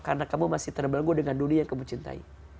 karena kamu masih terbelanggu dengan dunia yang kamu cintai